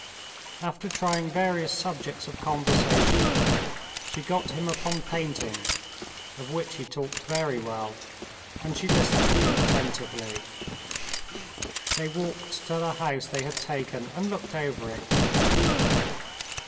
After trying various subjects of conversation, she got him upon painting, of which he talked very well, and she listened to him attentively. They walked to the house they had taken, and looked over it.